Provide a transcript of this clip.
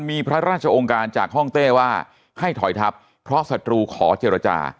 มีพระราชองค์การจากห้องเต้ว่าให้ถอยทับเพราะศัตรูขอเจรจา